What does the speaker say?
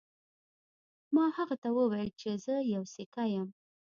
ما هغه ته وویل چې زه یو سیکه یم.